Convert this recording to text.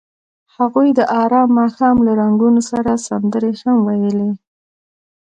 هغوی د آرام ماښام له رنګونو سره سندرې هم ویلې.